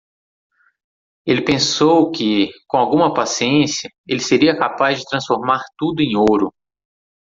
Ele pensou que? com alguma paciência? ele seria capaz de transformar tudo em ouro.